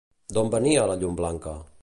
D'on venia la llum blanca?